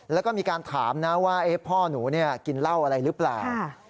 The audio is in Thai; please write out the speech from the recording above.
แล้วก็มีการถามนะว่าพ่อหนูกินเหล้าอะไรหรือเปล่า